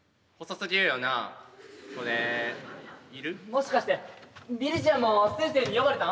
もしかしてビリジアンも先生に呼ばれた？